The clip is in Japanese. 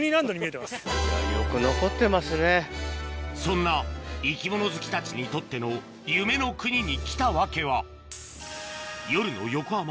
そんな生き物好きたちにとっての夢の国に来た訳は夜の横浜ＤＡＳＨ